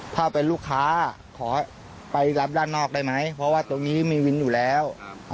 ถ้าเป็นลูกค้าขอไปรับด้านนอกได้ไหมเพราะว่าตรงนี้มีวินอยู่แล้ว